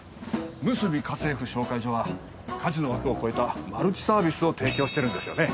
むすび家政婦紹介所は家事の枠を超えたマルチサービスを提供してるんですよね？